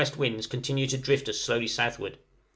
winds continue to drift us slowly southward.